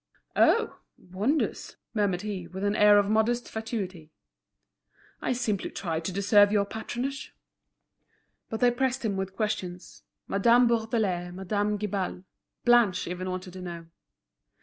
"Oh! wonders!" murmured he, with an air of modest fatuity. "I simply try to deserve your patronage." But they pressed him with questions: Madame Bourdelais, Madame Guibal, Blanche even wanted to know.